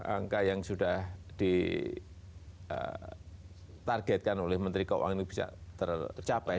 angka yang sudah ditargetkan oleh menteri keuangan ini bisa tercapai